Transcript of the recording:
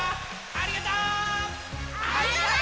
ありがとう！